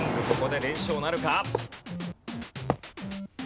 ここで連勝なるか？